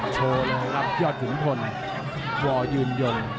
โชว์เลยครับยอดขุนพลวอยืนยง